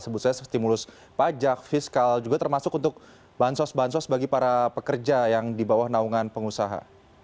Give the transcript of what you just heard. sebut saja stimulus pajak fiskal juga termasuk untuk bansos bansos bagi para pekerja yang di bawah naungan pengusaha